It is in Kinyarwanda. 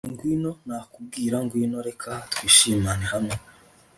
Yewe ngwino nakubwira ngwino reka twishimane hamwe